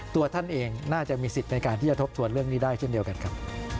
ตัวท่านเองน่าจะมีสิทธิ์ในการที่จะทบทวนเรื่องนี้ได้เช่นเดียวกันครับ